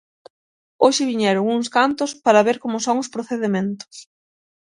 Hoxe viñeron uns cantos para ver como son os procedementos.